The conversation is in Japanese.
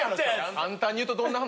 簡単に言うとどんな話？